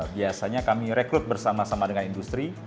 biasanya kami rekrut bersama sama dengan industri